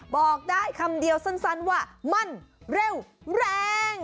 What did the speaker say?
บอกได้คำเดียวสั้นว่ามั่นเร็วแรง